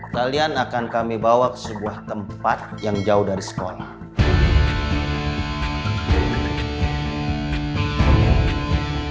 kalian akan kami bawa ke sebuah tempat yang jauh dari sekolah